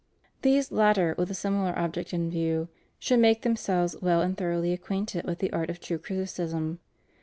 These latter, with a similar object in view, should make them selves well and thoroughly acquainted with the art of true criticism.